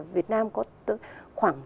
việt nam có khoảng